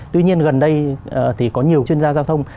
tuy nhiên gần đây thì có nhiều chuyên gia giao thông